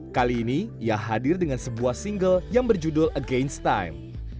kali ini ia hadir dengan sebuah single yang berjudul against time